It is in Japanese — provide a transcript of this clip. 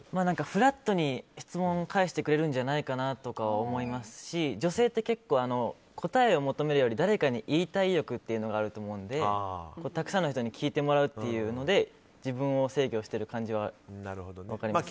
フラットに質問を返してくれると思いますし女性って結構、答えを求めるより誰かに言いたい欲があると思うので、たくさんの人に聞いてもらうっていうので自分を制御している感じは分かります。